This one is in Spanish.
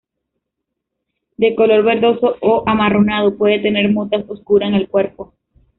De color verdoso o amarronado, puede tener motas oscuras en el cuerpo.